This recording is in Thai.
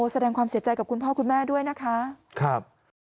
แสดงความเสียใจกับคุณพ่อคุณแม่ด้วยนะคะ